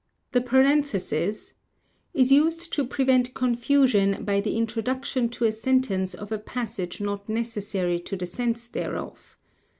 The Parenthesis () is used to prevent confusion by the introduction to a sentence of a passage not necessary to the sense thereof.